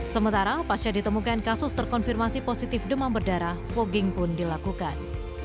sementara pasca ditemukan kasus terkonfirmasi positif demam berdarah fogging pun dilakukan